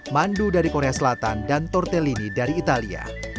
mandu dari korea selatan dan tortellini dari italia